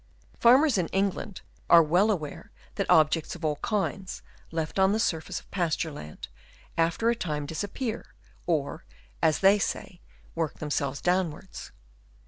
Farmers in England are well aware that objects of all kinds, left on the surface of pasture land, after a time disappear, or, as they say, work themselves downwards.